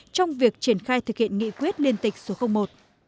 trong việc triển khai thực hiện nghị quyết liên tịch số một